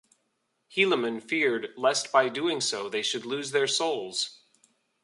Helaman "feared lest by so doing they should lose their souls".